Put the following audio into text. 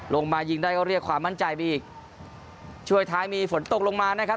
ลงมายิงได้ก็เรียกความมั่นใจไปอีกช่วงท้ายมีฝนตกลงมานะครับ